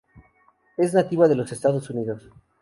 Es nativa de los Estados Unidos.